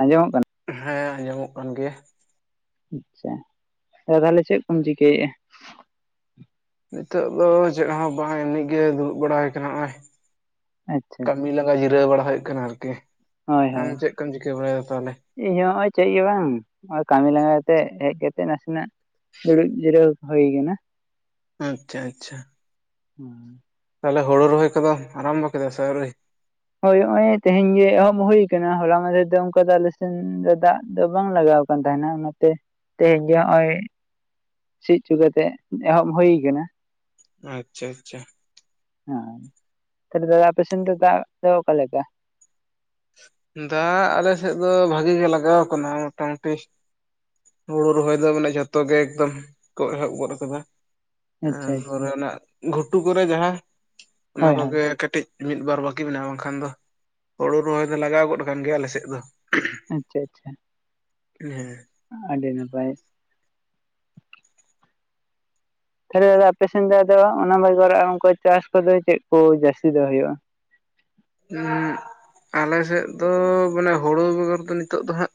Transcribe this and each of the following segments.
ᱟᱸᱡᱚᱢᱚᱜ ᱠᱟᱱᱟ ᱾ ᱦᱮᱸ ᱟᱸᱡᱚᱢᱚᱜ ᱠᱟᱱ ᱜᱮᱭᱟ ᱾ ᱟᱪᱪᱷᱟ ᱾ ᱛᱟᱦᱚᱞᱮ ᱪᱮᱫ ᱠᱚᱢ ᱪᱤᱠᱟᱹᱭᱮᱜᱼᱟ? ᱱᱤᱛᱚᱜ ᱫᱚ ᱪᱮᱫ ᱦᱚᱸ ᱵᱟᱝ ᱮᱢᱱᱤ ᱜᱮ ᱫᱩᱲᱩᱵ ᱵᱟᱲᱟᱭ ᱠᱟᱱᱟ ᱱᱚᱜᱼᱚᱭ ᱾ ᱟᱪᱪᱷᱟ ᱠᱟᱹᱢᱤ ᱟᱪᱪᱷᱟ ᱞᱟᱸᱜᱟ ᱡᱤᱨᱟᱹᱣ ᱵᱟᱲᱟ ᱦᱩᱭᱩᱜ ᱠᱟᱱᱟ ᱟᱨᱠᱤ ᱦᱳᱭ ᱟᱢ ᱦᱳᱭ ᱪᱮᱫ ᱠᱚᱢ ᱪᱤᱠᱟᱹ ᱵᱟᱲᱟᱭᱟ ᱛᱟᱦᱚᱞᱮ? ᱤᱧ ᱦᱚᱸ ᱱᱚᱜᱼᱚᱭ ᱪᱮᱫ ᱜᱮ ᱵᱟᱝ ᱱᱚᱜᱼᱚᱭ ᱠᱟᱹᱢᱤ ᱞᱟᱸᱜᱟ ᱠᱟᱛᱮ ᱦᱮᱡ ᱠᱟᱛᱮ ᱱᱟᱥᱮᱱᱟᱜ ᱫᱩᱲᱩᱵ ᱡᱤᱨᱟᱹᱣ ᱦᱩᱭ ᱠᱟᱱᱟ ᱾ ᱟᱪᱪᱷᱟ ᱟᱪᱪᱷᱟ ᱾ ᱦᱩᱸ ᱛᱟᱦᱚᱞᱮ ᱦᱩᱲᱩ ᱨᱚᱦᱚᱭ ᱠᱚᱫᱚᱢ ᱟᱨᱟᱢᱵᱚ ᱠᱮᱫᱟ ᱟᱹᱣᱨᱤ? ᱦᱳᱭ ᱾ ᱱᱚᱜᱼᱚᱭ ᱛᱮᱦᱮᱧ ᱜᱮ ᱮᱦᱚᱵ ᱦᱩ ᱟᱠᱟᱱᱟ᱾ ᱦᱚᱞᱟ ᱢᱟᱦᱫᱷᱮᱨ ᱨᱮ ᱫᱚ ᱚᱱᱠᱟ ᱫᱚ ᱟᱞᱮ ᱥᱮᱱ ᱫᱚ ᱫᱟᱜ ᱫᱚ ᱵᱟᱝ ᱞᱟᱜᱟᱣ ᱟᱠᱟᱱᱟ᱾ ᱛᱟᱦᱮᱱᱟ ᱚᱱᱟᱛᱮ ᱛᱮᱦᱮᱧ ᱜᱮ ᱱᱚᱜᱼᱚᱭ ᱥᱤ ᱚᱪᱚ ᱠᱟᱛᱮ ᱮᱦᱚᱵ ᱦᱩᱭ ᱟᱠᱟᱱᱟ᱾ ᱟᱪᱪᱷᱟ ᱟᱪᱪᱷᱟ᱾ ᱦᱮᱸ ᱛᱟᱦᱚᱞᱮ ᱫᱟᱫᱟ ᱟᱯᱮ ᱥᱮᱱ ᱫᱚ ᱚᱠᱟ ᱞᱮᱠᱟ? ᱫᱟᱜ ᱟᱞᱮ ᱥᱮᱫ ᱫᱚ ᱵᱷᱟᱜᱤ ᱜᱮ ᱞᱟᱜᱟᱣ ᱟᱠᱟᱱᱟ ᱢᱚᱴᱟᱢᱩᱴᱤ᱾ ᱦᱩᱲᱩ ᱨᱚᱦᱚᱭ ᱫᱚ ᱢᱟᱱᱮ ᱡᱷᱚᱛᱚ ᱜᱮ ᱮᱠᱫᱚᱢ ᱠᱚ ᱮᱦᱚᱵ ᱜᱚᱫ ᱟᱠᱟᱫᱟ᱾ ᱟᱪᱪᱷᱟ ᱟᱪᱪᱷᱟ ᱛᱟᱨᱯᱚᱨᱮ ᱚᱱᱟ ᱜᱷᱩᱴᱩ ᱠᱚᱨᱮ ᱡᱟᱦᱟᱸ ᱚᱱᱟ ᱦᱳᱭ ᱦᱳᱭ ᱠᱚᱜᱮ ᱠᱟᱹᱴᱤᱡ ᱢᱤᱫ ᱵᱟᱨ ᱵᱟᱠᱤ ᱢᱮᱱᱟᱜᱼᱟ ᱵᱟᱝᱠᱷᱟᱱ ᱫᱚ ᱦᱳᱲᱩ ᱨᱚᱦᱚᱭ ᱫᱚ ᱞᱟᱜᱟᱣ ᱜᱚᱫ ᱟᱠᱟᱱ ᱜᱮᱭᱟ ᱟᱞ ᱥᱮᱫ ᱫᱚ ᱾ ᱟᱪᱪᱷᱟ ᱟᱪᱪᱷᱟ ᱦᱮᱸ ᱟᱹᱰᱤ ᱱᱟᱯᱟᱭ ᱛᱟᱦᱚᱞᱮ ᱫᱟᱫᱟ ᱟᱯᱮ ᱥᱮᱱ ᱫᱚ ᱟᱫᱚ ᱚᱱᱟ ᱵᱮᱜᱚᱨ ᱚᱝᱠᱟ ᱪᱟᱥ ᱠᱚᱫᱚ ᱪᱮᱫ ᱠᱚ ᱡᱟᱹᱥᱛᱤ ᱫᱚ ᱦᱩᱭᱩᱜᱼᱟ? ᱟᱞᱮ ᱥᱮᱫ ᱫᱚ ᱢᱟᱱᱮ ᱦᱩᱲᱩ ᱵᱮᱜᱚᱨ ᱫᱚ ᱱᱤᱛᱚᱜ ᱫᱚ ᱦᱟᱸᱜ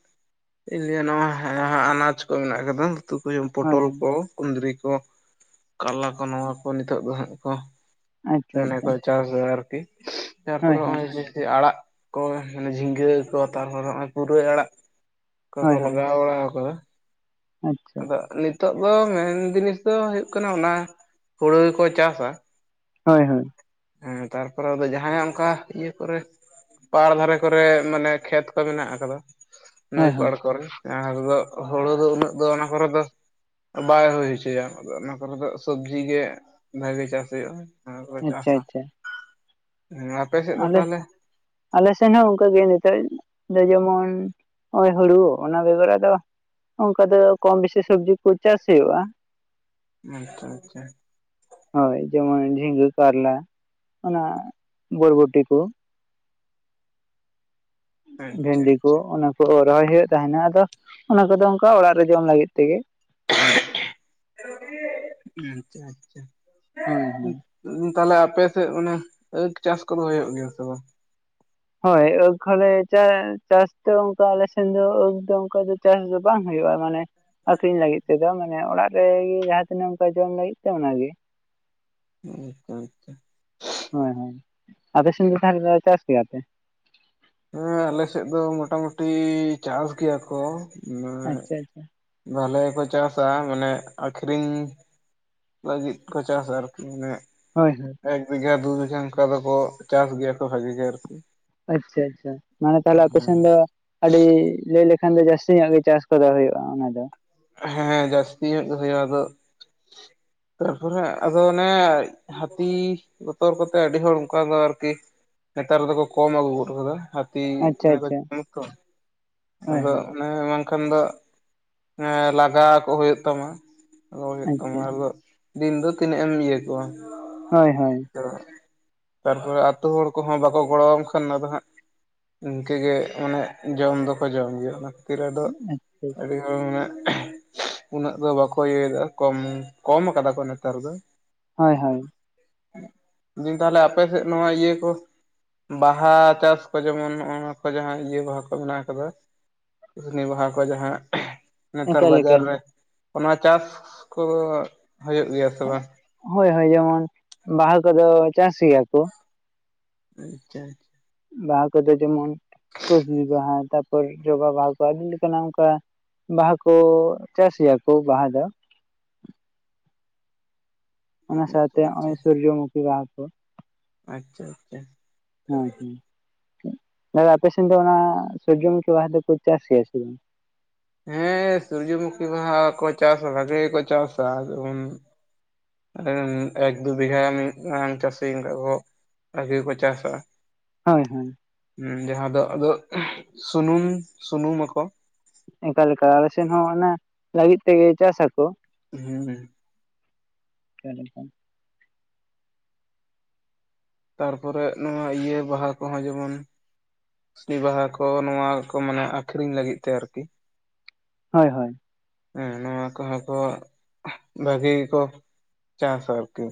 ᱤᱧ ᱞᱟᱹᱭᱟ ᱱᱚᱣᱟ ᱦᱮᱸ ᱟᱱᱟᱡ ᱠᱚ ᱢᱮᱱᱟᱜ ᱟᱠᱟᱫᱟ ᱩᱛᱩ ᱠᱚ ᱡᱮ ᱦᱳᱭ ᱯᱚᱴᱚᱞ ᱦᱳᱭ ᱠᱚ ᱠᱩᱸᱫᱽᱨᱤ ᱠᱚ ᱠᱟᱞᱟ ᱠᱚ ᱱᱚᱣᱟ ᱠᱚ ᱱᱤᱛᱚᱜ ᱫᱚ ᱦᱟᱸᱜ ᱠᱚ ᱟᱪᱪᱷᱟ ᱢᱚᱱᱮ ᱟᱪᱪᱷᱟ ᱠᱚ ᱪᱟᱥ ᱟᱨᱠᱤ ᱛᱟᱨᱯᱚᱨ ᱦᱳᱭ ᱦᱳᱭ ᱱᱚᱜᱼᱚᱭ ᱡᱮ ᱟᱲᱟᱜ ᱠᱚ ᱢᱟᱱᱮ ᱡᱷᱤᱸᱜᱟᱹ ᱠᱚ ᱛᱟᱨᱯᱚᱨ ᱱᱚᱜᱼᱚᱭ ᱯᱩᱨᱟᱹᱭ ᱟᱲᱟᱜ ᱚᱠᱟ ᱠᱚ ᱦᱳᱭ ᱦᱳᱭ ᱞᱟᱜᱟᱣ ᱵᱟᱲᱟ ᱠᱟᱫᱟ ᱟᱪᱪᱷᱟ ᱟᱫᱚ ᱱᱤᱛᱚᱜ ᱱᱤᱛᱚᱜ ᱫᱚ ᱢᱮᱱ ᱡᱤᱱᱤᱥ ᱫᱚ ᱦᱩᱭᱩᱜ ᱠᱟᱱᱟ ᱚᱱᱟ ᱦᱩᱲᱳ ᱜᱮ ᱠᱚ ᱪᱟᱥᱟ᱾ ᱦᱳᱭ ᱦᱳᱭ ᱦᱮᱸ ᱛᱟᱨᱯᱚᱨᱮ ᱟᱫᱚ ᱡᱟᱦᱟᱸᱭ ᱚᱱᱠᱟ ᱤᱭᱟᱹ ᱠᱚᱨᱮ ᱯᱟᱲ ᱫᱷᱟᱨᱮ ᱠᱚᱨᱮ ᱢᱟᱱᱮ ᱠᱷᱮᱛ ᱠᱚ ᱢᱮᱱᱟᱜ ᱟᱠᱟᱫᱟ ᱾ ᱱᱟᱹᱭ ᱦᱳᱭ ᱦᱳᱭ ᱯᱟᱲ ᱠᱚᱨᱮ ᱡᱟᱦᱟᱸ ᱫᱚ ᱦᱩᱲᱩ ᱫᱚ ᱩᱱᱟᱹᱜ ᱫᱚ ᱚᱱᱟ ᱠᱚᱨᱮ ᱫᱚ ᱵᱟᱭ ᱦᱩᱭ ᱦᱚᱪᱚᱭᱟ ᱚᱱᱟ ᱠᱚᱨᱮ ᱫᱚ ᱥᱚᱵᱡᱤ ᱜᱮ ᱵᱷᱟᱜᱤ ᱪᱟᱥ ᱦᱩᱭᱩᱜᱼᱟ ᱾ ᱦᱮᱸ ᱚᱱᱟ ᱠᱚᱞᱮ ᱟᱪᱪᱷᱟ ᱪᱟᱥᱟ ᱾ ᱟᱪᱪᱷᱟ ᱦᱮᱸ ᱟᱯᱮ ᱥᱮᱫ ᱫᱚ ᱟᱞᱮ ᱛᱟᱦᱟᱞᱮ? ᱟᱞᱮ ᱥᱮᱱ ᱦᱚᱸ ᱚᱱᱠᱟᱜ ᱜᱮ ᱱᱤᱛᱚᱜ ᱫᱚ ᱡᱮᱢᱚᱱ ᱱᱚᱜᱼᱚᱭ ᱦᱩᱲᱩ ᱚᱱᱟ ᱵᱮᱜᱚᱨ ᱟᱫᱚ ᱚᱱᱠᱟ ᱫᱚ ᱠᱚᱢ ᱵᱮᱥᱤ ᱥᱚᱵᱽᱡᱤ ᱠᱚ ᱪᱟᱥ ᱦᱩᱭᱩᱜᱼᱟ ᱾ ᱟᱪᱪᱷᱟ ᱟᱪᱪᱷᱟ ᱦᱳᱭ ᱾ ᱡᱮᱢᱚᱱ ᱡᱷᱤᱸᱜᱟᱹ ᱠᱟᱨᱞᱟ ᱚᱱᱟ ᱵᱚᱨᱵᱚᱴ ᱠᱚ ᱟᱪᱪᱷᱟ ᱵᱷᱮᱱᱰᱤ ᱠᱚ ᱟᱪᱪᱷᱟ ᱚᱱᱟ ᱠᱚ ᱨᱚᱦᱚᱭ ᱦᱩᱭᱩᱜ ᱛᱟᱦᱮᱱᱟ ᱟᱫᱚ ᱚᱱᱟ ᱠᱚᱫᱚ ᱚᱱᱠᱟ ᱚᱲᱟᱜ ᱨᱮ ᱡᱚᱢ ᱞᱟᱹᱜᱤᱫ ᱛᱮᱜᱮ ᱟᱪᱪᱷᱟ ᱟᱪᱪᱷᱟ ᱦᱳᱭ ᱦᱳᱭ ᱛᱟᱦᱞᱮ ᱟᱯᱮ ᱥᱮᱫ ᱚᱱᱮ ᱪᱟᱥ ᱠᱚᱫᱚ ᱦᱩᱭᱩᱜ ᱜᱮᱭᱟ ᱥᱮ ᱵᱟᱝ? ᱦᱳᱭ ᱟᱹᱠᱚᱞᱮ ᱪᱟᱥ ᱫᱚ ᱚᱱᱠᱟ ᱟᱞᱮ ᱥᱮᱱ ᱫᱚ ᱟᱹᱠ ᱫᱚ ᱚᱱᱠᱟ ᱫᱚ ᱪᱟᱥ ᱫᱚ ᱵᱟᱝ ᱦᱩᱭᱩᱜᱼᱟ ᱢᱟᱱᱮ ᱾ ᱟᱠᱷᱨᱤᱧ ᱞᱟᱹᱜᱤᱫ ᱛᱮᱫᱚ ᱢᱟᱱᱮ ᱚᱲᱟᱜ ᱨᱮᱜᱮ ᱡᱟᱦᱟᱸ ᱛᱤᱱᱟᱹᱜ ᱚᱱᱠᱟ ᱡᱚᱢ ᱞᱟᱹᱜᱤᱫ ᱛᱮ ᱚᱱᱟ ᱜᱮ ᱟᱪᱪᱷᱟ ᱟᱪᱪᱷᱟ ᱦᱳᱭ ᱦᱳᱭ ᱟᱯᱮ ᱥᱮᱱᱫ ᱫᱚ ᱛᱟᱦᱚᱞᱮ ᱫᱚ [unintelligible] ᱪᱟᱥ ᱜᱮᱭᱟᱯᱮ ᱦᱮᱸ ᱟᱞᱮ ᱥᱮᱫ ᱫᱚ ᱢᱳᱴᱟᱢᱩᱴᱤ ᱪᱟᱥ ᱜᱮᱭᱟ ᱠᱚ ᱟᱪᱪᱷᱟ ᱟᱪᱪᱷᱟ ᱵᱷᱟᱞᱮᱠᱚ ᱪᱟᱥᱟ ᱢᱟᱱᱮ ᱟᱠᱷᱨᱤᱧ ᱞᱟᱹᱜᱤᱫ ᱠᱚ ᱪᱟᱥᱟ ᱟᱨᱠᱤ [unintelligible] ᱢᱟᱱᱮ ᱦᱳᱭ ᱦᱳᱭ ᱮᱠ ᱵᱤᱜᱷᱟ ᱫᱩ ᱵᱤᱜᱷᱟ ᱚᱱᱠᱟ ᱫᱚᱠᱚ ᱪᱟᱥ ᱜᱮᱭᱟ ᱠᱚ ᱵᱷᱟᱜᱤ ᱜᱮ ᱟᱨᱠᱤ ᱟᱪᱪᱷᱟ ᱟᱪᱪᱷᱟ ᱢᱟᱱᱮ ᱛᱟᱦᱚᱞᱮ ᱟᱯᱮ ᱥᱮᱱ ᱫᱚ ᱟᱹᱰᱤ ᱞᱟᱹᱭ ᱞᱮᱠᱷᱟᱱ ᱫᱚ ᱡᱟᱹᱥᱛᱤ ᱧᱚᱜ ᱜᱮ ᱪᱟᱥ ᱠᱚᱫᱚ ᱦᱩᱭᱩᱜᱼᱟ ᱚᱱᱟ ᱫᱚ ᱦᱮᱸ ᱡᱟᱹᱥᱛᱤ ᱧᱚᱜ ᱜᱮ ᱦᱳᱭᱳᱜᱼᱟ ᱟᱫᱚ ᱛᱟᱨᱯᱚᱨᱮ ᱟᱫᱚ ᱚᱱᱮ ᱦᱟᱹᱛᱤ ᱵᱚᱛᱚᱨ ᱠᱚᱛᱮ ᱟᱹᱰᱤ ᱦᱚᱲ ᱚᱱᱠᱟ ᱫᱚ ᱟᱨᱠᱤ ᱱᱮᱛᱟᱨ ᱫᱚᱠᱚ ᱠᱚᱢ ᱟᱹᱜᱩ ᱜᱚᱫ ᱠᱟᱫᱟ ᱦᱟᱹᱛᱤ [unintelligible] ᱟᱪᱪᱷᱟ ᱢᱚᱱᱮ ᱠᱚ ᱟᱪᱪᱷᱟ ᱡᱚᱢᱩ ᱛᱚ ᱦᱳᱭ ᱟᱫᱚ ᱦᱳᱭ ᱚᱱᱮ ᱵᱟᱝᱠᱷᱟᱱ ᱫᱚ ᱞᱟᱜᱟ ᱠᱚ ᱦᱩᱭᱩᱜ ᱛᱟᱢᱟ [inaudible] ᱨᱚᱮᱫ ᱛᱟᱢᱟ ᱟᱪᱪᱷᱟ ᱟᱫᱚ ᱫᱤᱱ ᱫᱚ ᱛᱤᱱᱟᱹᱜ ᱮᱢ ᱤᱭᱟᱹ ᱠᱚᱣᱟ ᱦᱳᱭ ᱦᱳᱭ ᱛᱚ ᱛᱟᱨᱯᱚᱨᱮ ᱟᱛᱳ ᱦᱚᱲ ᱠᱚᱦᱚᱸ ᱵᱟᱠᱚ ᱜᱚᱲᱚᱣᱟᱢ ᱠᱷᱟᱱ ᱟᱫᱚ ᱦᱟᱸᱜ ᱤᱱᱠᱟᱹᱜᱮ ᱢᱟᱱᱮ ᱡᱚᱢ ᱫᱚᱠᱚ ᱡᱚᱢ ᱜᱮᱭᱟ [unintelligible] ᱚᱱᱟ ᱠᱷᱟᱹᱛᱤᱨ ᱟᱫᱚ ᱟᱪᱪᱷᱟ ᱟᱹᱰᱤᱦᱚᱲ ᱢᱟᱱᱮ ᱩᱱᱟᱹᱜ ᱫᱚ ᱵᱟᱠᱚ ᱤᱭᱟᱹᱭᱫᱟ ᱠᱚᱢ ᱠᱚᱢ ᱠᱟᱫᱟ ᱠᱚ ᱱᱮᱛᱟᱨ ᱫᱚ ᱦᱳᱭ ᱦᱳᱭ ᱫᱤᱧ ᱛᱟᱦᱞᱮ ᱟᱯᱮᱥᱮᱫ ᱱᱚᱣᱟ ᱤᱭᱟᱹ ᱠᱚ ᱵᱟᱦᱟ ᱪᱟᱥ ᱠᱚ ᱡᱮᱢᱚᱱ ᱱᱚᱜ ᱱᱚᱣᱟ ᱠᱚ ᱡᱟᱦᱟᱸ ᱤᱭᱟᱹ ᱵᱟᱦᱟ ᱠᱚ ᱢᱮᱱᱟᱜ ᱟᱠᱟᱫᱟ ᱠᱩᱥᱱᱤ ᱵᱟᱦᱟ ᱠᱚ ᱡᱟᱦᱟᱸ ᱱᱮᱛᱟᱨ ᱮᱠᱟᱞ ᱵᱟᱡᱟᱨ ᱮᱠᱟᱞ ᱨᱮ ᱚᱱᱟ ᱪᱟᱥ ᱠᱚ ᱦᱳᱭᱳᱜ ᱜᱮᱭᱟ ᱥᱮ ᱵᱟᱝ ᱦᱳᱭ ᱦᱳᱭ ᱡᱮᱢᱚᱱ ᱵᱟᱦᱟ ᱠᱚᱫᱚ ᱪᱟᱥ ᱜᱮᱭᱟ ᱠᱚ ᱟᱪᱪᱷᱟ ᱟᱪᱪᱷᱟ ᱵᱟᱦᱟ ᱠᱚᱫᱚ ᱡᱮᱢᱚᱱ ᱠᱩᱥᱵᱤ ᱵᱟᱦᱟ ᱛᱟ ᱡᱚᱵᱟ ᱵᱟᱦᱟ ᱠᱚ ᱟᱹᱰᱤ ᱞᱮᱠᱟᱱᱟᱜ ᱚᱱᱠᱟ ᱵᱟᱦᱟ ᱠᱚ ᱪᱟᱥ ᱜᱮᱭᱟ ᱠᱚ ᱵᱟᱦᱟ ᱫᱚ ᱚᱱᱟ ᱥᱟᱶᱛᱮ ᱟᱪᱪᱷᱟ ᱟᱪᱪᱷᱟ ᱱᱚᱜᱚᱭ ᱥᱩᱨᱡᱚᱢᱩᱠᱷᱤ ᱵᱟᱦᱟ ᱠᱚ ᱟᱪᱪᱷᱟ ᱟᱪᱪᱷᱟ ᱦᱳᱭ ᱦᱳᱭ ᱫᱟᱫᱟ ᱟᱯᱮ ᱥᱮᱱ ᱫᱚ ᱚᱱᱟ ᱥᱩᱨᱡᱚᱢᱩᱠᱷᱤ ᱵᱟᱦᱟ ᱫᱚᱠᱚ ᱪᱟᱥ ᱜᱮᱭᱟ ᱥᱮ ᱵᱟᱝ ᱦᱮᱸ ᱥᱩᱨᱡᱚᱢᱩᱠᱷᱤ ᱵᱟᱦᱟ ᱠᱚ ᱪᱟᱥᱟ ᱵᱷᱟᱜᱮ ᱜᱮᱠᱚ ᱪᱟᱥᱟ ᱡᱮᱢᱚᱱ ᱮᱠ ᱫᱩ ᱵᱤᱜᱷᱟ ᱢᱤᱫᱟᱝ ᱪᱟᱹᱥᱤ [unintelligible] ᱚᱱᱠ ᱠᱚ ᱵᱷᱟᱜᱮ ᱜᱮᱠᱚ ᱪᱟᱥᱟ ᱦᱳᱭ ᱦᱳᱭ ᱦᱩᱸ ᱡᱟᱦᱟᱸ ᱫᱚ ᱟᱫᱚ ᱥᱩᱱᱩᱢ ᱥᱩᱱᱩᱢᱟᱠᱚ ᱚᱱᱠᱟᱞᱮᱠᱟ ᱟᱞᱮ ᱥᱮᱱ ᱦᱚᱸ ᱚᱱᱟ ᱞᱟᱹᱜᱤᱫ ᱛᱮᱜᱮ ᱪᱟᱥᱟᱠᱚ ᱦᱩᱸ [inaudible] ᱛᱟᱨᱯᱚᱨᱮ ᱱᱚᱣᱟ ᱤᱭᱟᱹ ᱵᱟᱦᱟ ᱠᱚᱦᱚᱸ ᱡᱮᱢᱚᱱ ᱠᱩᱥᱱᱤ ᱵᱟᱦᱟ ᱠᱚ ᱱᱚᱣᱟ ᱠᱚ ᱢᱟᱱᱮ ᱟᱠᱷᱨᱤᱧ ᱞᱟᱹᱜᱤᱫ ᱛᱮ ᱟᱨᱠᱤ ᱦᱳᱭ ᱦᱳᱭ ᱦᱮᱸ ᱱᱚᱣᱟ ᱠᱚᱦᱚᱸ ᱠᱚ ᱵᱷᱟᱹᱜᱤ ᱜᱮᱠᱚ ᱪᱟᱥᱟ ᱟᱨᱠᱤ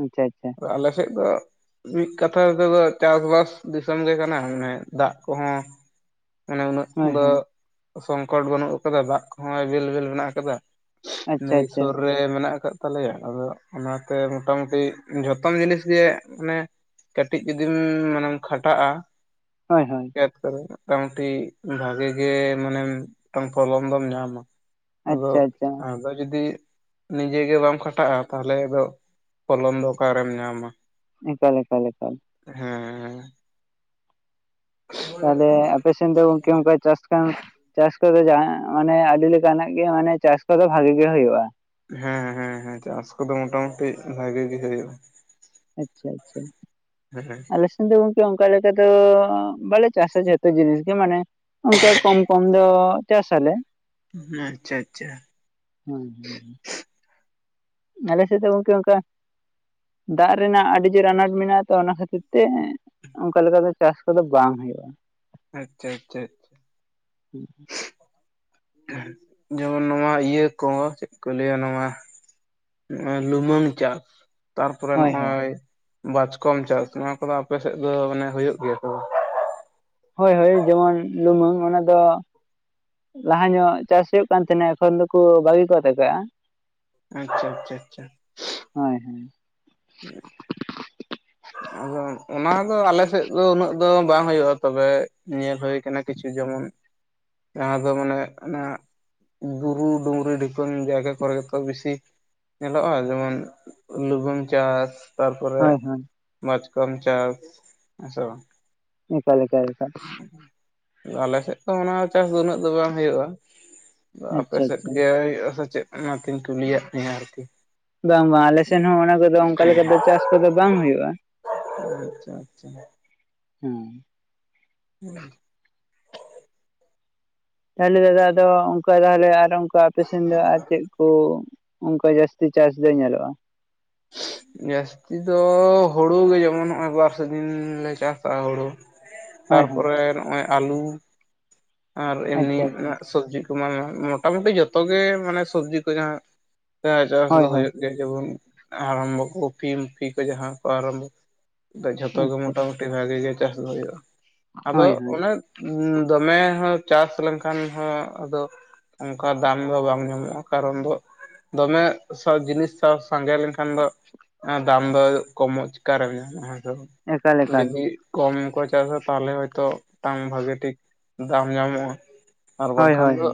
ᱟᱪᱪᱷᱟ ᱟᱪᱪᱷᱟ ᱟᱞᱮ ᱥᱮᱫ ᱫᱚ ᱢᱤᱫ ᱠᱟᱛᱷᱟ ᱛᱮᱫᱚ ᱪᱟᱥᱵᱟᱥ ᱫᱤᱥᱚᱢ ᱜᱮ ᱠᱟᱱᱟ ᱢᱟᱱᱮ ᱫᱟᱜ ᱠᱚᱦᱚᱸ ᱢᱟᱱᱮ ᱩᱱᱟᱹᱜ ᱦᱳᱭ ᱫᱚ ᱦᱳᱭ ᱥᱚᱝᱠᱚᱴ ᱵᱟᱹᱱᱩᱜ ᱠᱟᱫᱟ ᱫᱟᱜ ᱠᱚᱦᱚᱸ ᱮᱵᱮᱞᱵᱮᱞ ᱢᱮᱱᱟᱜ ᱠᱟᱫᱟ᱾ ᱱᱟᱹᱭ ᱟᱪᱪᱷᱟ ᱟᱪᱪᱷᱟ ᱥᱩᱨ ᱨᱮ ᱢᱮᱱᱟᱜ ᱟᱠᱟᱫ ᱛᱟᱞᱮᱭᱟ ᱟᱫᱚ ᱚᱱᱟᱛᱮ ᱢᱚᱴᱟᱢᱩᱴᱤ ᱡᱚᱛᱚᱢ ᱡᱤᱱᱤᱥ ᱜᱮ ᱢᱟᱱᱮ ᱠᱟᱹᱴᱤᱡ ᱡᱩᱫᱤᱢ ᱢᱟᱱᱮᱢ ᱠᱷᱟᱴᱟᱜ-ᱟ ᱦᱳᱭ ᱦᱳᱭ ᱪᱟᱥ ᱠᱚᱨᱮ ᱢᱚᱴᱟᱢᱩᱴᱤ ᱵᱷᱟᱜᱮ ᱜᱮ ᱢᱟᱱᱮ ᱢᱤᱫᱴᱟᱝ ᱯᱷᱚᱞᱚᱱ ᱫᱚᱢ ᱧᱟᱢᱟ ᱟᱫᱚ ᱟᱪᱪᱷᱟ ᱟᱪᱪᱷᱟ ᱟᱫᱚ ᱡᱩᱫᱤ ᱱᱤᱡᱮ ᱜᱮ ᱵᱟᱢ ᱠᱷᱟᱴᱟᱜ-ᱟ ᱛᱟᱦᱚᱞᱮ ᱫᱚ ᱯᱷᱚᱞᱚᱱ ᱫᱚ ᱚᱠᱟᱨᱮᱢ ᱧᱟᱢᱟ? ᱮᱠᱟᱞ ᱮᱠᱟᱞ ᱮᱠᱟᱞ ᱦᱮᱸ ᱛᱟᱦᱚᱞᱮ ᱟᱯᱮᱥᱮᱫ ᱫᱚ ᱜᱟᱝᱠᱮ ᱪᱟᱥ ᱠᱟᱱ, ᱪᱟᱥ ᱠᱚᱫᱚ ᱡᱟᱦᱟᱸᱭᱟᱜ? ᱢᱟᱱᱮ ᱟᱹᱰᱤ ᱞᱮᱠᱟᱱᱟᱜ ᱜᱮ ᱢᱟᱱᱮ ᱪᱟᱥ ᱠᱚᱫᱚ ᱵᱷᱟᱜᱤ ᱜᱮ ᱦᱩᱭᱩᱜ-ᱟ᱾ ᱦᱮᱸ ᱦᱮᱸ ᱦᱮᱸ ᱪᱟᱥ ᱠᱚᱫᱚ ᱢᱩᱴᱟ ᱢᱩᱴᱤ ᱵᱷᱟᱜᱤ ᱜᱤ ᱦᱩᱭᱩᱜ-ᱟ᱾ ᱟᱪᱪᱷᱟ ᱟᱪᱪᱷᱟ ᱦᱮᱸᱜᱼᱮ ᱠᱤᱱᱛᱩ ᱜᱚᱝᱠᱮ ᱚᱱᱠᱟ ᱞᱮᱠᱟ ᱫᱚ ᱵᱟᱞᱮ ᱪᱟᱥᱟ ᱡᱷᱚᱛᱚ ᱡᱤᱱᱤᱥ ᱜᱮ ᱢᱟᱱᱮ ᱚᱱᱠᱟ ᱠᱚᱢ ᱠᱚᱢ ᱫᱚ ᱪᱟᱥ ᱟᱞᱮ ᱩᱸ ᱟᱪᱪᱷᱟ ᱟᱪᱪᱷᱟ ᱦᱩᱸ ᱦᱩᱸᱸ ᱟᱞᱮ ᱥᱮᱫ ᱫᱚ ᱜᱚᱝᱠᱮ ᱚᱱᱠᱟ ᱫᱟᱜ ᱨᱮᱱᱟᱜ ᱟᱹᱰᱤ ᱡᱳᱨ ᱟᱱᱟᱴ ᱢᱮᱱᱟᱜ-ᱟ ᱛᱚ ᱚᱱᱟ ᱠᱷᱟᱹᱛᱤᱨ ᱛᱮ ᱚᱱᱠᱟ ᱞᱮᱠᱟᱛᱮ ᱪᱟᱥ ᱠᱚᱫᱚ ᱵᱟᱝ ᱦᱩᱭᱩᱜ-ᱟ᱾ ᱟᱪᱪᱷᱟ ᱟᱪᱪᱷᱟ ᱟᱪᱪᱷᱟ ᱡᱮᱢᱚᱱ ᱱᱚᱣᱟ ᱤᱭᱟᱹ ᱠᱚ ᱪᱮᱫ ᱠᱚ ᱞᱟᱹᱭᱟ ᱱᱚᱣᱟ ᱟᱨ ᱞᱩᱢᱟᱹᱝ ᱪᱟᱥ ᱛᱟᱨᱯᱚᱨᱮ ᱦᱳᱭ ᱦᱳᱭ ᱱᱚᱜ-ᱚᱭ ᱵᱟᱪᱠᱚᱢ ᱪᱟᱥ ᱱᱚᱣᱟ ᱠᱚᱫᱚ ᱟᱯᱮ ᱥᱮᱫ ᱫᱚ ᱢᱟᱱᱮ ᱦᱩᱭᱩᱜ ᱜᱮᱭᱟ ᱵᱟ ᱦᱳᱭ ᱦᱳᱭ ᱮ ᱡᱮᱢᱚᱱ ᱞᱩᱢᱟᱹᱝ ᱚᱱᱟ ᱫᱚ ᱞᱟᱦᱟ ᱧᱚᱜ ᱪᱟᱥ ᱦᱩᱭᱩᱜ ᱠᱟᱱ ᱛᱟᱦᱮᱸᱱᱟ ᱮᱠᱷᱚᱱ ᱫᱚᱠᱚ ᱵᱷᱟᱹᱜᱤ ᱠᱚ ᱟᱛᱮ ᱠᱟᱜ-ᱟ ᱟᱪᱪᱷᱟ ᱟᱪᱪᱷᱟ ᱟᱪᱪᱷᱟ ᱦᱳᱭ ᱦᱳᱭ ᱦᱮᱸ [inaudible] ᱟᱫᱚ ᱚᱱᱟ ᱫᱚ ᱟᱞᱮ ᱥᱮᱫ ᱫᱚ ᱩᱱᱟᱹᱜ ᱫᱚ ᱵᱟᱝ ᱦᱩᱭᱩᱜ-ᱟ, ᱛᱚᱵᱮ ᱧᱮᱞ ᱦᱩᱭ ᱠᱟᱱᱟ᱾ ᱠᱤᱪᱷᱩ ᱡᱮᱢᱚᱱ ᱡᱟᱦᱟᱸ ᱫᱚ ᱢᱟᱱᱮ ᱚᱱᱟ ᱜᱩᱨᱩ ᱰᱩᱝᱨᱤ ᱰᱷᱤᱯᱟᱹᱝ ᱡᱟᱭᱜᱟ ᱠᱚᱨᱮ ᱜᱮᱛᱚ ᱵᱮᱥᱤ᱾ ᱧᱮᱞᱚᱜ-ᱟ ᱡᱮᱢᱚᱱ ᱞᱩᱢᱟᱹᱝ ᱪᱟᱥ ᱛᱟᱨᱯᱚᱨᱮ ᱦᱳᱭ ᱦᱳᱭ ᱵᱟᱪᱠᱚᱢ ᱪᱟᱥ ᱮᱠᱟᱞ ᱮᱠᱟᱞ ᱮᱠᱟᱞ, ᱟᱞᱮ ᱥᱮᱫ ᱚᱱᱟ ᱪᱟᱥ ᱫᱚ ᱩᱱᱟᱹᱜ ᱫᱚ ᱵᱟᱝ ᱦᱩᱭᱩᱜᱼᱟ ᱟᱯᱮ ᱟᱪᱪᱷᱟ ᱥᱮᱫ ᱟᱪᱪᱷᱟ ᱜᱮ ᱦᱩᱭᱩᱜ-ᱟ ᱥᱮ ᱪᱮᱫ? ᱚᱱᱟᱛᱤᱧ ᱠᱩᱞᱤᱭᱮᱫ ᱢᱮᱭᱟ ᱟᱨᱠᱤ ᱵᱟᱝ ᱵᱟᱝ ᱟᱞᱮ ᱥᱮᱱ ᱦᱚᱸ ᱚᱱᱟ ᱠᱚᱫᱚ ᱚᱱᱠᱟ ᱞᱮᱠᱟ ᱫᱚ ᱪᱟᱥ ᱠᱚᱫᱚ ᱵᱟᱝ ᱦᱩᱭᱩᱜ-ᱟ᱾ ᱟᱪᱪᱷᱟ ᱟᱪᱷᱟ ᱦᱩᱸ [inaudible] ᱛᱟᱦᱚᱞᱮ ᱫᱟᱫᱟ ᱟᱫᱚ ᱚᱱᱠᱟ ᱛᱟᱦᱚᱞᱮ ᱟᱨ ᱚᱱᱠᱟ ᱟᱯᱮ ᱥᱮᱫ ᱫᱚ ᱟᱨ ᱪᱮᱫ ᱠᱩ? ᱚᱱᱠᱟ ᱡᱟᱹᱥᱛᱤ ᱪᱟᱥ ᱫᱚ ᱧᱮᱞᱚᱜ-ᱟ, ᱡᱟᱹᱥᱛᱤ ᱫᱚ ᱦᱩᱲᱩ ᱜᱮ ᱡᱮᱢᱚᱱ ᱱᱚᱜ-ᱚᱭ ᱵᱟᱨ ᱥᱤᱡᱤᱱ ᱞᱮ ᱪᱟᱥᱟ ᱦᱩᱲᱩ᱾ ᱦᱳᱭ ᱦᱳᱭ ᱛᱟᱨᱯᱚᱨᱮ ᱱᱚᱜ-ᱚᱭ ᱟᱞᱩ ᱟᱨ ᱮᱢᱱᱤ ᱟᱪᱪᱷᱟ ᱟᱪᱪᱷᱟ ᱥᱚᱵᱽᱡᱤ ᱠᱚ ᱮᱢ ᱢᱩᱴᱟ-ᱢᱩᱴᱤ ᱡᱚᱛᱚ ᱜᱮ ᱢᱟᱱᱮ ᱥᱚᱵᱽᱡᱤ ᱠᱚ ᱡᱟᱦᱟᱸ ᱦᱮᱸᱪᱟᱥ ᱦᱳᱭ ᱫᱚ ᱦᱳᱭ ᱦᱩᱭᱩᱜ ᱜᱮᱭᱟ ᱡᱮᱢᱚᱱ ᱟᱨᱟᱢᱵᱚ ᱠᱩᱯᱤ ᱢᱩᱯᱷᱤ ᱠᱚ ᱡᱟᱦᱟᱸ ᱠᱚ ᱟᱨᱟᱢᱵᱚ᱾ ᱡᱷᱚᱛᱚ ᱜᱮ ᱟᱪᱪᱷᱟ ᱢᱩᱴᱟᱢᱩᱴᱤ ᱵᱷᱟᱜᱮ ᱜᱮ ᱪᱟᱥ ᱫᱚ ᱦᱩᱭᱩᱜ-ᱟ, ᱟᱫᱚ ᱦᱳᱭ ᱦᱳᱭ ᱚᱱᱮ ᱫᱚᱢᱮ ᱪᱟᱥ ᱞᱮᱱᱠᱷᱟᱱ ᱦᱚᱸ ᱟᱫᱚ, ᱚᱱᱠᱟ ᱫᱟᱢ ᱫᱚ ᱵᱟᱝ ᱧᱟᱢᱚᱜ-ᱟ ᱠᱟᱨᱚᱱ ᱫᱚ ᱫᱚᱢᱮ ᱡᱤᱱᱤᱥ ᱥᱟᱸᱜᱮ ᱞᱮᱱᱠᱷᱟᱱ ᱫᱚ ᱫᱟᱢ ᱫᱚ ᱠᱚᱢᱚᱜ ᱪᱤᱠᱟᱭᱮᱢ ᱧᱟᱢ-ᱟ ᱦᱮᱸ ᱮᱠᱟᱞ ᱮᱠᱟᱞ ᱡᱩᱫᱤ ᱠᱚᱢ ᱠᱚ ᱪᱟᱥᱟ ᱛᱟᱦᱚᱞᱮ ᱦᱚᱭᱛᱚ ᱫᱟᱢ ᱵᱷᱟᱜᱤ ᱴᱷᱤᱠ ᱫᱟᱢ ᱧᱟᱢᱚᱜ-ᱟ ᱟᱨ ᱦᱳᱭ ᱵᱟᱝᱠᱷᱟᱱ ᱦᱳᱭ ᱫᱚᱼᱼ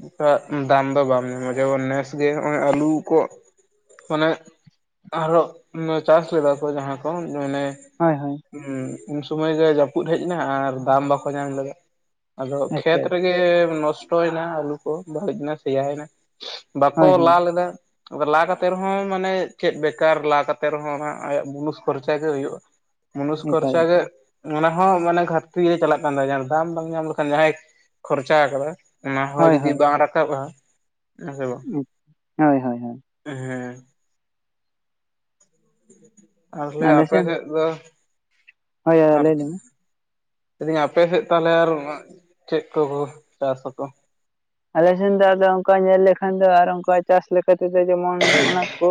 ᱚᱝᱠᱟ ᱫᱟᱢ ᱫᱚ ᱵᱟᱢ ᱧᱟᱢᱟ ᱡᱮᱢᱚᱱ ᱱᱮᱥ ᱜᱮ ᱱᱚᱜ-ᱚᱭ ᱟᱹᱞᱩ ᱠᱚᱼᱼ ᱢᱟᱱᱮ ᱟᱨᱚ ᱢᱚ ᱪᱟᱥ ᱞᱮᱫᱟ ᱠᱚ ᱡᱟᱦᱟᱸ ᱠᱚ ᱢᱟᱱᱮᱼᱼ ᱦᱚᱭ ᱦᱚᱭ᱾ ᱦᱩᱸ ᱩᱱ ᱥᱩᱢᱚᱭ ᱜᱮ ᱡᱟᱯᱩᱫ ᱦᱮᱡ ᱮᱱᱟ ᱟᱨ ᱫᱟᱢ ᱵᱟᱠᱚ ᱧᱟᱢ ᱞᱮᱫᱟ ᱟᱫᱚ ᱠᱷᱮᱛ ᱟᱪᱪᱷᱟ ᱨᱮ ᱜᱮ ᱱᱚᱥᱴᱚ ᱭᱮᱱᱟ ᱟᱹᱞᱩ ᱠᱚ ᱵᱟᱹᱲᱤᱡ ᱮᱱᱟ ᱥᱮᱭᱟ ᱭᱮᱱᱟ ᱵᱟᱠᱚ ᱦᱳᱭ ᱦᱳᱭ ᱞᱟ ᱞᱮᱫᱟ᱾ ᱞᱟ ᱠᱟᱛᱮᱜ ᱨᱮᱦᱚᱸ ᱢᱟᱱᱮ ᱪᱮᱜ ᱵᱮᱠᱟᱨ ᱞᱟ ᱠᱟᱛᱮᱜ ᱨᱮᱦᱚᱸ ᱚᱱᱟ ᱟᱭᱟᱜ ᱵᱩᱱᱩᱥ ᱠᱷᱚᱨᱪᱟ ᱜᱮ ᱦᱩᱭᱩᱜ-ᱟ᱾ ᱢᱚᱱᱩᱥ ᱮᱠᱟᱞ ᱠᱷᱚᱨᱪᱟ ᱜᱮ ᱮᱠᱟᱞ ᱚᱱᱟ ᱦᱚᱸ ᱢᱟᱱᱮ ᱜᱷᱟᱴᱛᱤ ᱨᱮ ᱪᱟᱞᱟᱜᱼᱼ ᱱᱟ ᱡᱟᱦᱟᱸ ᱟᱨ ᱫᱟᱢ ᱵᱟᱝ ᱧᱟᱢ ᱞᱮᱠᱷᱟᱱ ᱡᱟᱦᱟᱸᱭ ᱠᱷᱚᱨᱪᱟ ᱟᱠᱟᱫᱟ ᱚᱱᱟ ᱦᱚᱸ ᱦᱳᱭ ᱡᱩᱫᱤ ᱦᱳᱭ ᱵᱟᱝ ᱨᱟᱠᱟᱵ-ᱟ᱾ ᱦᱮᱞᱳ ᱦᱳᱭ ᱦᱳᱭ ᱦᱳᱭ ᱦᱮᱸ ᱟᱨ ᱦᱟᱞᱮ ᱟᱞᱮ ᱟᱯᱮ ᱥᱮᱱ ᱥᱮᱜ ᱫᱚ, ᱦᱳᱭ ᱫᱟᱫᱟ ᱟᱨ ᱞᱟᱹᱭ ᱞᱮᱢᱮ ᱞᱟᱹᱭ ᱫᱟᱹᱧ ᱟᱯᱮ ᱥᱮᱜ ᱛᱟᱦᱚᱞᱮ ᱚᱱᱟ ᱟᱨ ᱪᱮᱜ ᱠᱚᱠᱚ ᱪᱟᱥ ᱟᱠᱚ? ᱟᱞᱮ ᱥᱮᱱ ᱫᱚ ᱚᱱᱠᱟ ᱧᱮᱞ ᱞᱮᱠᱷᱟᱱ ᱫᱚ ᱟᱨ ᱚᱱᱠᱟ ᱪᱟᱥ ᱞᱮᱠᱟ ᱛᱮᱫᱚ ᱡᱮᱢᱚᱱ ᱚᱱᱟ ᱠᱚ᱾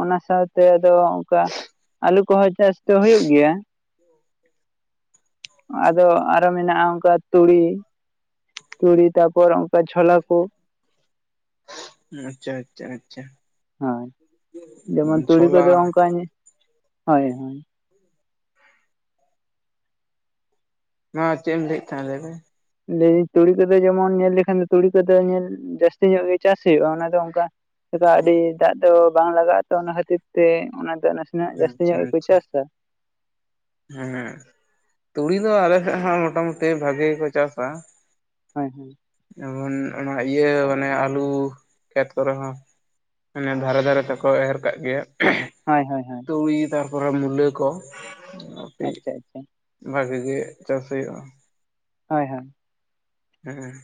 ᱚᱱᱟ ᱥᱟᱶᱛᱮ ᱟᱫᱚ ᱚᱱᱠᱟ ᱟᱞᱩ ᱠᱚᱦᱚᱸ ᱪᱟᱥ ᱫᱚ ᱦᱩᱭᱩᱜ ᱜᱮᱭᱟ᱾ ᱟᱫᱚ ᱟᱨᱚ ᱢᱮᱱᱟᱜ-ᱟ ᱚᱱᱠᱟ ᱛᱩᱲᱤᱼᱼ ᱛᱩᱲᱤ ᱛᱟᱨᱯᱚᱨ ᱚᱱᱠᱟ ᱡᱷᱚᱞᱟ ᱠᱩᱼᱼ ᱟᱪᱪᱷᱟ ᱟᱪᱪᱷᱟ ᱟᱪᱪᱷᱟ ᱦᱮᱸ ᱡᱮᱢᱚᱱ ᱛᱩᱲᱤ ᱪᱷᱚᱞᱟ ᱠᱚᱫᱚ ᱚᱱᱠᱟ ᱧᱮᱼᱼ ᱦᱚᱭ ᱦᱚᱭ᱾ ᱱᱚᱶᱟ ᱪᱮᱜ ᱮᱢ ᱞᱟᱹᱭᱮᱜ ᱛᱟᱦᱮᱸᱜ ᱞᱟᱹᱭ ᱢᱮ? ᱞᱟᱹᱭᱟᱹᱧ ᱛᱩᱲᱤ ᱠᱚᱫᱚ ᱡᱮᱢᱚᱱ ᱧᱮᱞ ᱞᱮᱠᱷᱟᱱ ᱫᱚ ᱛᱩᱲᱤ ᱠᱚᱫᱚ ᱧᱮᱞ ᱡᱟᱹᱥᱛᱤ ᱧᱚᱜ ᱜᱮ ᱪᱟᱥ ᱦᱩᱭᱩᱜ-ᱟ ᱚᱱᱟ ᱫᱚ ᱚᱱᱠᱟᱼᱼ ᱪᱮᱫᱟᱜ ᱟᱹᱰᱤ ᱫᱟᱜ ᱫᱚ ᱵᱟᱝ ᱞᱟᱜᱟᱜ-ᱟ ᱛᱚ ᱚᱱᱟ ᱠᱷᱟᱹᱛᱤᱨ ᱛᱮ ᱚᱱᱟ ᱫᱚ ᱱᱟᱥᱮᱱᱟᱜ ᱡᱟᱹᱥᱛᱤ ᱟᱪᱪᱷᱟ ᱧᱚᱜ ᱜᱮᱠᱚ ᱟᱪᱪᱷᱟ ᱪᱟᱥᱟ᱾ ᱦᱮᱸ ᱛᱩᱲᱤ ᱫᱚ ᱟᱞᱮ ᱥᱮᱜ ᱦᱚᱸ ᱢᱚᱴᱟᱼᱢᱩᱴᱤ ᱵᱷᱟᱜᱮ ᱜᱮᱠᱚ ᱪᱟᱥᱟ᱾ ᱦᱚᱸᱭ ᱦᱚᱸᱭ᱾ ᱡᱮᱢᱚᱱ ᱚᱱᱟ ᱤᱭᱟᱹ ᱢᱟᱱᱮ ᱟᱞᱩ ᱠᱷᱮᱛ ᱠᱚᱨᱮ ᱦᱚᱸᱼᱼ ᱢᱟᱱᱮ ᱫᱷᱟᱨᱮ ᱫᱷᱟᱨᱮ ᱛᱮᱠᱚ ᱮᱨ ᱠᱟᱜ ᱜᱮᱭᱟ᱾ ᱦᱚᱭ ᱦᱚᱭ ᱦᱚᱭ᱾ ᱛᱩᱲᱤ ᱛᱟᱨᱯᱚᱨᱮ ᱢᱩᱞᱟᱹ ᱠᱚ᱾ ᱠᱟᱹᱴᱤᱡ ᱟᱪᱪᱷᱟ ᱟᱪᱷᱟ᱾ ᱵᱷᱟᱜᱤ ᱜᱮ ᱪᱟᱥ ᱦᱩᱭᱩᱜ-ᱟ᱾ ᱦᱚᱭ ᱦᱚᱭ᱾ ᱦᱮᱸ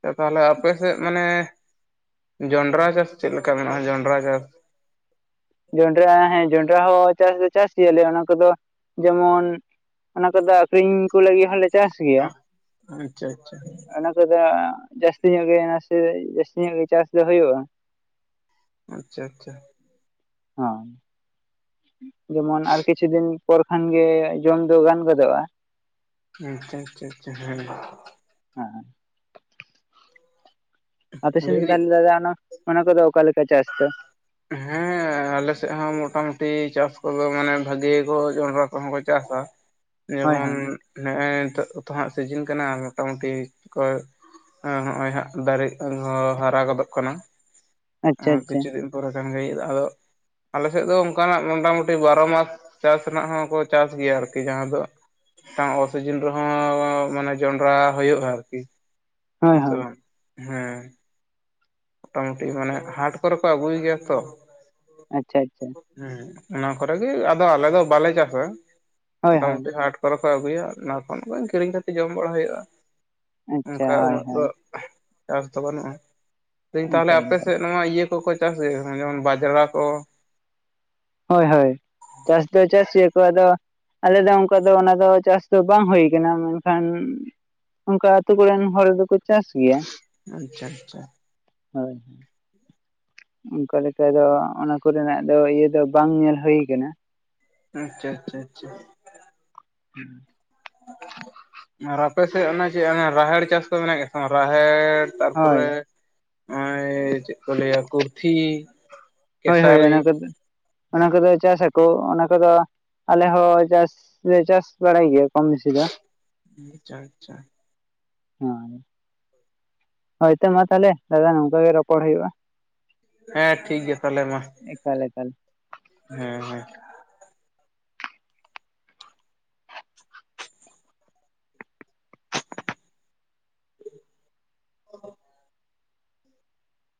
ᱛᱚ ᱛᱟᱦᱚᱞᱮ ᱟᱯᱮ ᱥᱮᱜ ᱢᱟᱱᱮᱼᱼ ᱡᱚᱱᱰᱨᱟ ᱪᱟᱥ ᱪᱮᱫ ᱞᱮᱠᱟ ᱢᱮᱱᱟᱜ-ᱟ ᱡᱚᱱᱰᱨᱟ ᱪᱟᱥ? ᱡᱚᱱᱰᱨᱟ ᱦᱮᱸ ᱡᱚᱱᱰᱨᱟ ᱦᱚᱸ ᱪᱟᱥ ᱫᱚ ᱪᱟᱥ ᱜᱮᱭᱟᱞᱮ ᱚᱱᱟ ᱠᱚᱫᱚ ᱡᱮᱢᱚᱱᱼᱼ ᱚᱱᱟ ᱠᱩᱫᱚ ᱟᱠᱷᱨᱤᱧ ᱠᱩ ᱞᱟᱹᱜᱤᱜ ᱦᱚᱸᱞᱮ ᱪᱟᱥ ᱜᱤᱭᱟ᱾ ᱟᱪᱪᱷᱟ ᱟᱪᱪᱷᱟ ᱛᱮ‌ᱫᱚ ᱡᱟᱹᱥᱛᱤ ᱧᱚᱜ ᱜᱮ ᱱᱟᱥᱮ ᱡᱟᱹᱥᱛᱤ ᱧᱚᱜ ᱜᱮ ᱪᱟᱥ ᱫᱚ ᱦᱩᱭᱩᱜ-ᱟ᱾ ᱟᱪᱪᱷᱟ ᱟᱪᱷᱟ᱾ ᱦᱚᱸ᱾ ᱡᱮᱢᱚᱱ ᱟᱨ ᱠᱤᱪᱷᱩ ᱫᱤᱱ ᱯᱚᱨ ᱠᱷᱟᱱ ᱡᱚᱢ ᱫᱚ ᱜᱟᱱ ᱜᱚᱫᱚᱜ-ᱟ᱾ ᱟᱸᱪᱪᱷᱟ ᱟᱪᱪᱷᱟ ᱟᱪᱷᱟ ᱦᱮᱸ᱾ ᱦᱮᱸ ᱦᱮᱸ᱾ ᱟᱯᱮ ᱞᱟᱹᱭ ᱥᱮᱱ ᱫᱟᱹᱧ ᱫᱚ? ᱦᱮᱸ᱾ ᱟᱞᱮ ᱥᱮᱜ ᱦᱚᱸ ᱢᱚᱴᱟᱼᱢᱩᱴᱤ ᱪᱟᱥ ᱠᱚᱫᱚ ᱢᱟᱱᱮ ᱵᱷᱟᱜᱤ ᱜᱮ ᱠᱚ ᱡᱚᱱᱰᱨᱟ ᱠᱚᱦᱚᱸ ᱠᱚ ᱪᱟᱥᱟ᱾ ᱦᱳᱭ ᱡᱮᱢᱚᱱ ᱦᱳᱭ ᱱᱚᱜ-ᱚᱭ ᱱᱤᱛᱚᱜ ᱩᱛᱩᱚ ᱦᱟᱸᱜ ᱥᱤᱡᱤᱱ ᱠᱟᱱᱟ ᱢᱚᱴᱟᱼᱢᱩᱴᱤ ᱠᱚ᱾ ᱟ ᱦᱚᱸᱜ-ᱚᱭ ᱦᱟᱸᱜ ᱫᱟᱨᱮ ᱦᱚᱸ ᱦᱟᱨᱟ ᱜᱚᱫᱚᱜ ᱠᱟᱱᱟ ᱟᱪᱪᱷᱟ ᱟᱪᱪᱷᱟ ᱠᱤᱪᱷᱩ ᱫᱤᱱᱼᱼ ᱯᱩᱨᱟᱹ ᱠᱟᱱ ᱜᱷᱟᱹᱲᱤᱡ‌ ᱟᱫᱚᱼᱼ ᱟᱞᱮ ᱥᱮᱜ ᱫᱚ ᱚᱱᱠᱟ ᱱᱟᱜ ᱢᱚᱴᱟᱼᱢᱩᱴᱤ ᱵᱟᱨᱚ ᱢᱟᱥ ᱪᱟᱥ ᱨᱮᱱᱟᱜ ᱦᱚᱸᱠᱚ ᱪᱟᱥ ᱜᱮᱭᱟ ᱟᱨᱠᱤ ᱡᱟᱦᱟᱸ ᱫᱚᱼᱼ ᱢᱤᱫ ᱴᱟᱝ ᱚ ᱥᱤᱡᱤᱱ ᱨᱮᱦᱚᱸ ᱢᱟᱱᱮ ᱡᱚᱱᱰᱨᱟ ᱦᱩᱭᱩᱜ-ᱟ ᱟᱨᱠᱤ᱾ ᱦᱳᱭ ᱦᱮᱸ ᱥᱮ ᱦᱳᱭ ᱵᱟᱝ ᱦᱮᱸ᱾ ᱢᱚᱴᱟᱼᱢᱩᱴᱤ ᱢᱟᱱᱮ ᱦᱟᱴ ᱠᱚᱨᱮ ᱠᱚ ᱟᱜᱩᱭ ᱜᱮᱭᱟ ᱛᱚ᱾ ᱟᱪᱪᱷᱟ ᱟᱪᱪᱷᱟ ᱦᱮ ᱚᱱᱟ ᱠᱚᱨᱮ ᱜᱮ ᱟᱫᱚ ᱟᱞᱮ ᱫᱚ ᱵᱟᱞᱮ ᱪᱟᱥ-ᱟ᱾ ᱦᱳᱭ ᱢᱚᱴᱟ ᱦᱳᱭ ᱢᱩᱴᱤ ᱦᱟᱴ ᱠᱚᱨᱮ ᱨᱮᱠᱚ ᱟᱹᱜᱩᱭᱟ ᱚᱱᱟ ᱠᱷᱚᱱ ᱠᱤᱨᱤᱧ ᱠᱟᱛᱮᱫ ᱡᱚᱢ ᱵᱟᱲᱟ ᱦᱩᱭᱩᱜᱼᱟ᱾ ᱟᱪᱪᱷᱟ ᱚᱱᱠᱟ ᱦᱳᱭ ᱩᱱᱟᱹᱜ ᱫᱚ ᱦᱳᱭ ᱪᱟᱥ ᱫᱚ ᱵᱟᱹᱱᱩᱜ-ᱟ᱾ ᱞᱟᱹᱭ ᱫᱤᱧ ᱛᱟᱦᱚᱞᱮ ᱚᱱᱠᱟ ᱟᱯᱮ ᱞᱮᱠᱟ ᱥᱮᱫ ᱱᱚᱶᱟ ᱤᱭᱟᱹ ᱠᱚᱠᱚ ᱪᱟᱥ ᱜᱮᱭᱟ ᱡᱮᱢᱚᱱ ᱵᱟᱡᱽᱲᱟ ᱠᱚ ᱦᱳᱭ ᱦᱳᱭ ᱪᱟᱥ ᱫᱚ ᱪᱟᱹᱥ ᱜᱮᱭᱟᱠᱚ ᱟᱫᱚ ᱟᱞᱮ ᱫᱚ ᱚᱱᱠᱟ ᱫᱚ ᱚᱱᱟ ᱫᱚ ᱪᱟᱥ ᱫᱚ ᱵᱟᱝ ᱦᱩᱭ ᱠᱟᱱᱟ ᱢᱮᱱᱠᱷᱟᱱ ᱚᱱᱠᱟ ᱟᱛᱳ ᱠᱚᱨᱮᱱ ᱦᱚᱲ ᱫᱚᱠᱚ ᱪᱟᱥ ᱜᱮᱭᱟ ᱟᱪᱪᱷᱟ ᱟᱪᱪᱷᱟ ᱦᱚᱭ ᱦᱚᱭ᱾ ᱚᱱᱠᱟ ᱞᱮᱠᱟ ᱫᱚ ᱚᱱᱟ ᱠᱚᱨᱮᱱᱟᱜ ᱫᱚ ᱤᱭᱟᱹ ᱫᱚ ᱵᱟᱝ ᱧᱮᱞ ᱦᱩᱭᱩ ᱟᱠᱟᱱᱟ᱾ ᱟᱪᱪᱷᱟ ᱟᱪᱷᱟ ᱟᱪᱷᱟ ᱦᱮᱸ [unintelligible] ᱟᱨ ᱟᱯᱮ ᱥᱮᱫ ᱚᱱᱟ ᱪᱮᱫ ᱨᱟᱦᱮᱲ ᱪᱟᱥ ᱠᱚ ᱢᱮᱱᱟᱜ ᱜᱮᱭᱟ ᱥᱮ ᱵᱟᱝ ᱨᱟᱦᱮᱲ ᱛᱟᱨᱯᱚᱨᱮ ᱦᱳᱭ ᱱᱚᱜᱚᱭ ᱪᱮᱫ ᱠᱚ ᱞᱟᱹᱭ ᱟ ᱠᱩᱨᱛᱤᱷᱤ ᱦᱳᱭ ᱦᱳᱭ ᱚᱱᱟ ᱠᱚᱫᱚ ᱚᱱᱟ ᱠᱚᱫᱚ ᱪᱟᱥ ᱟᱠᱚ ᱚᱱᱟ ᱠᱚᱫᱚ ᱟᱞᱮ ᱦᱚᱸ ᱪᱟᱥ ᱞᱮ ᱪᱟᱥ ᱵᱟᱲᱟᱭ ᱜᱮᱭᱟ ᱠᱚᱢ ᱵᱮᱥᱤ ᱫᱚ ᱟᱪᱪᱷᱟ ᱟᱪᱪᱷᱟ ᱦᱚᱸ ᱦᱳᱭ ᱛᱚ ᱢᱟ ᱛᱟᱦᱚᱞᱮ ᱫᱟᱫᱟ ᱱᱚᱝᱠᱟ ᱜᱮ ᱨᱚᱯᱚᱲ ᱦᱩᱭᱩᱜᱼᱟ᱾ ᱦᱮᱸ ᱴᱷᱤᱠ ᱜᱮᱭᱟ ᱛᱟᱦᱚᱞᱮ ᱢᱟ ᱮᱠᱟᱞ ᱮᱠᱟᱞ ᱦᱮᱸ ᱦᱮᱸ